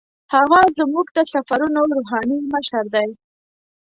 هغه زموږ د سفرونو روحاني مشر دی.